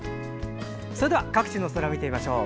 それでは各地の空を見てみましょう。